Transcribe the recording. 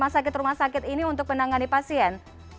rumah sakit rumah sakit ini untuk menangani pasien